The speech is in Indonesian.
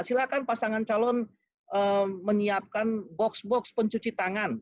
silahkan pasangan calon menyiapkan box box pencuci tangan